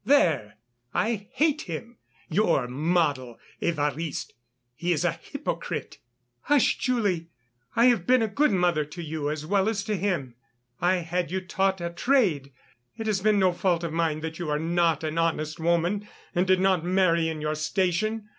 There, I hate him, your model Évariste; he is a hypocrite." "Hush, Julie! I have been a good mother to you as well as to him. I had you taught a trade. It has been no fault of mine that you are not an honest woman and did not marry in your station.